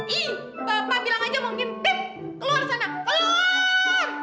ih bapak bilang aja mau ngintip keluar sana keluar